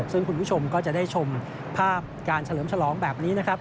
ซึ่งคุณผู้ชมก็จะได้ชมภาพการเฉลิมฉลองแบบนี้นะครับ